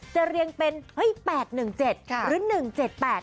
จะเรียงเป็น๘๑๗หรือ๑๗๘